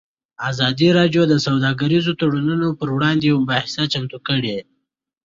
ازادي راډیو د سوداګریز تړونونه پر وړاندې یوه مباحثه چمتو کړې.